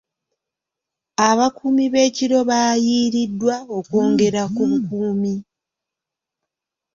Abakuumi b'ekiro baayiiriddwa okwongera ku bukuumi.